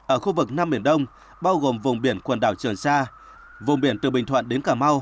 ở khu vực nam biển đông bao gồm vùng biển quần đảo trường sa vùng biển từ bình thuận đến cà mau